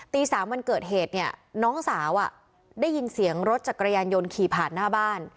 ๓วันเกิดเหตุเนี่ยน้องสาวได้ยินเสียงรถจักรยานยนต์ขี่ผ่านหน้าบ้าน